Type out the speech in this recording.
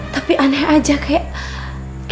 tapi aneh aja kayak